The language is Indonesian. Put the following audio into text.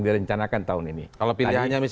direncanakan tahun ini kalau pilihannya